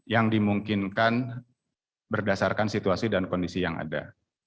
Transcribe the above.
yang dimungkinkan berdasarkan situasi dan kondisi yang ada